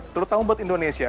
terutama buat indonesia